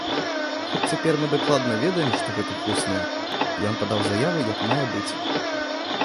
Хоць цяпер мы дакладна ведаем, што гэта хлусня, ён падаў заяву як мае быць.